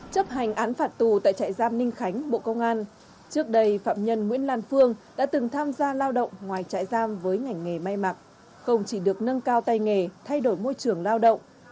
chấp hành án phạt tù tại trại giam ninh khánh bộ công an trước đây phạm nhân nguyễn lan phương đã từng tham gia lao động ngoài trại giam với ngành nghề may mặc không chỉ được nâng cao tay nghề thay đổi môi trường lao động